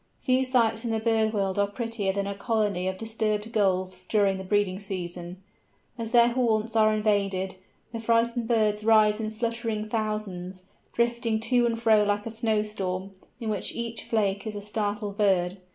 Few sights in the bird world are prettier than a colony of disturbed Gulls during the breeding season. As their haunts are invaded, the frightened birds rise in fluttering thousands, drifting to and fro like a snowstorm, in which each flake is a startled bird.